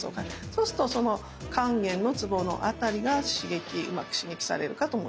そうするとその関元のツボの辺りがうまく刺激されるかと思います。